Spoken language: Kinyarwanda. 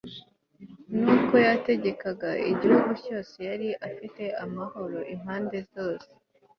nuko yategekega igihugu cyose yari afite amahoro impande zose